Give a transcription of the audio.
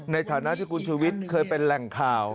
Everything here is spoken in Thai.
ในฐานะที่คุณชูวิทย์เคยเป็นแหล่งข่าว